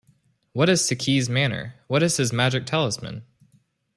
What is Saki's manner, what his magic talisman?